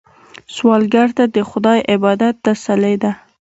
سوالګر ته د خدای عبادت تسلي ده